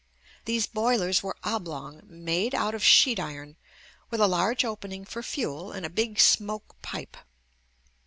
These boilers were oblong, made out of sheet iron, with a large opening for fuel, and a big smoke pipe.